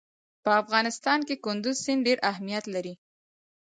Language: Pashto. په افغانستان کې کندز سیند ډېر اهمیت لري.